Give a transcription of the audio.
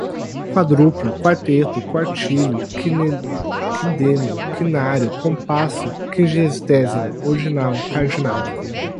Quádruplo, quarteto, quartilho, quindênio, quinário, compasso, quingentésimo, ordinal, cardinal